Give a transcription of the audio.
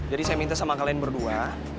jadi saya minta sama kalian berdua